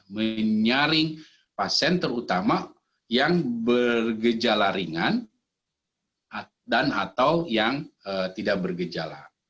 menyaring pasien terutama yang bergejala ringan dan atau yang tidak bergejala